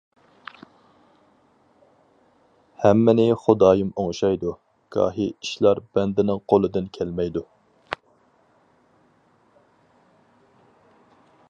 -ھەممىنى خۇدايىم ئوڭشايدۇ، گاھى ئىشلار بەندىنىڭ قولىدىن كەلمەيدۇ.